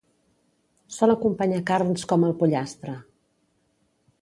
Sol acompanyar carns com el pollastre.